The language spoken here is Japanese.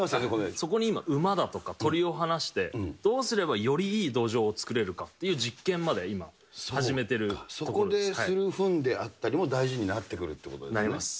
そこに今、馬だとか、鳥を放して、どうすればよりいい土壌を作れるかという実験まで今始めているとそこでするふんであったりも、大事になってくるということですね。